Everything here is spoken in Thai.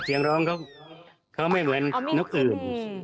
เสียงร้องเขาไม่เหมือนนกอื่น